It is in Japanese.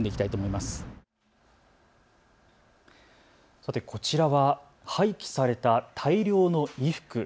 さて、こちらは廃棄された大量の衣服。